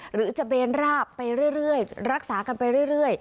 หรือจะเบนราบไปเรื่อยรักษากันไปเรื่อย